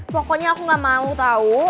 pokoknya aku gak mau tahu